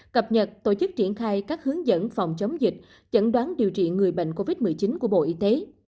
cập nhật tổ chức triển khai các hướng dẫn phòng chống dịch chẩn đoán điều trị người bệnh covid một mươi chín của bộ y tế